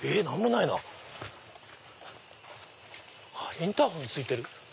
インターホン付いてる！